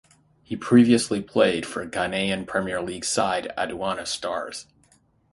He previously played for Ghanaian Premier League side Aduana Stars.